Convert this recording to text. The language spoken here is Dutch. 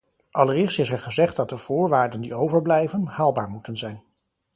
Allereerst is er gezegd dat de voorwaarden die overblijven, haalbaar moeten zijn.